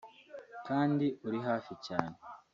kandi uri hafi cyane